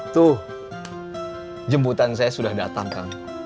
tuh jemputan saya sudah datang kang